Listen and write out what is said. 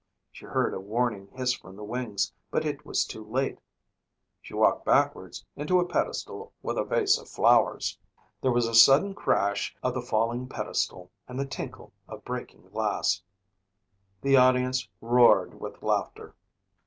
She heard a warning hiss from the wings but it was too late. She walked backwards into a pedestal with a vase of flowers. There was a sudden crash of the falling pedestal and the tinkle of breaking glass. The audience roared with laughter.